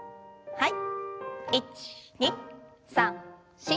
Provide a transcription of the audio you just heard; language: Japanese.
はい。